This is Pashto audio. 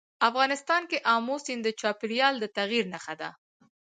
افغانستان کې آمو سیند د چاپېریال د تغیر نښه ده.